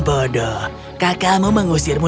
bodoh kakamu mengusirmu